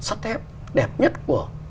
sắt thép đẹp nhất của